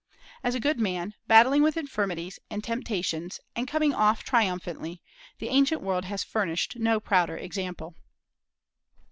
As a good man, battling with infirmities and temptations and coming off triumphantly, the ancient world has furnished no prouder example.